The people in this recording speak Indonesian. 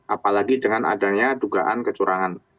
apalagi dengan adanya dugaan kecurangan